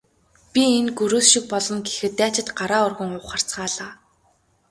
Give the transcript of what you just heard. Би энэ гөрөөс шиг болгоно гэхэд дайчид гараа өргөн ухарцгаалаа.